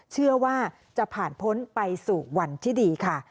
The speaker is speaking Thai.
เชื่อว่าจะผ่านพ้นไปสู่วันที่ดีค่ะ